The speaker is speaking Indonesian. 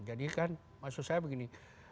jadi kan maksud saya begini